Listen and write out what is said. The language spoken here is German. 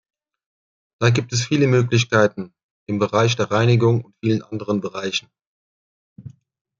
Da gibt es viele Möglichkeiten im Bereich der Reinigung und vielen anderen Bereichen.